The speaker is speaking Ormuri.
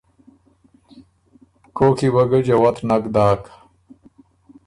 کوک کی وه ګۀ جوت نک داک۔